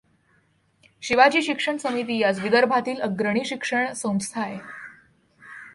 शिवाजी शिक्षण समिती आज विदर्भातील अग्रणी शिक्षण संस्था आहे.